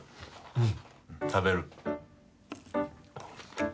うん食べる。